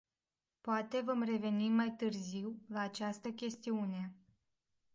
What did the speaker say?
Poate vom reveni mai târziu la această chestiune.